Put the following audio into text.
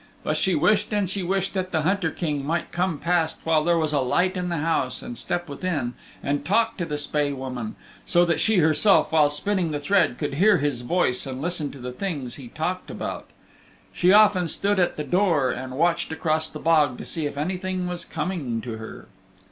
But she wished and she wished that the Hunter King might come past while there was a light in the house and step within and talk to the Spae Woman, so that she herself, while spinning the thread, could hear his voice and listen to the things he talked about. She often stood at the door and watched across the bog to see if anything was coming to her.